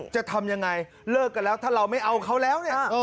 จะทำอย่างไรเลิกกันแล้วถ้าเราไม่เอาเขาแล้ว